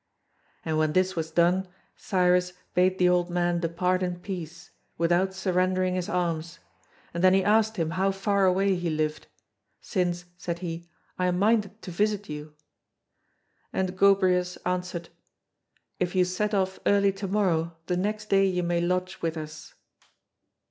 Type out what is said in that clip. And when this was done, Cyrus bade the old man depart in peace, without surrendering his arms, and then he asked him how far away he lived, "Since," said he, "I am minded to visit you." And Gobryas answered, "If you set off early to morrow, the next day you may lodge with us."